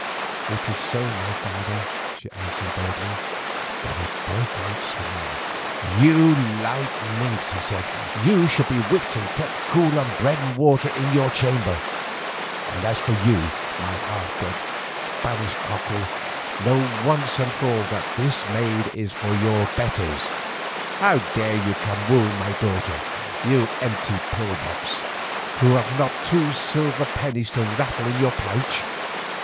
"It is so, my father," she answered boldly. Then he broke out swearing. "You light minx," he said, "you shall be whipped and kept cool on bread and water in your chamber. And for you, my half bred Spanish cockerel, know once and for all that this maid is for your betters. How dare you come wooing my daughter, you empty pill box, who have not two silver pennies to rattle in your pouch!